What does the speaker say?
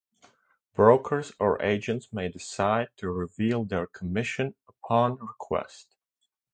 Brokers or agents may decide to reveal their commission upon request.